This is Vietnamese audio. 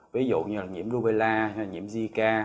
ví dụ như là nhiễm rubella nhiễm zika